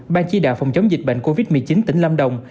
ban chỉ đạo phòng chống dịch bệnh covid một mươi chín tỉnh lâm đồng